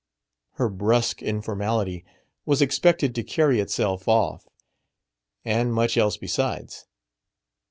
Her brusque informality was expected to carry itself off and much else besides.